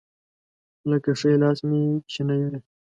لکه ښی لاس مې چې نه وي.